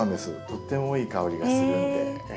とってもいい香りがするんで。